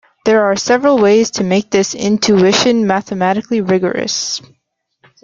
There are several ways to make this intuition mathematically rigorous.